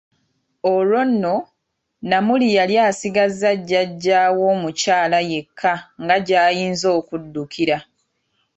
Olwo nno, Namuli yali asigaza jjaja we omukyala yekka nga gy'ayinza okuddukira.